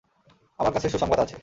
আমার কাছে সুসংবাদ আছে।